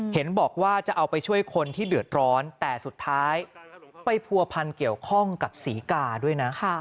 เห็นบอกว่าจะเอาไปช่วยคนที่เดือดร้อนแต่สุดท้ายไปผัวพันเกี่ยวข้องกับศรีกาด้วยนะ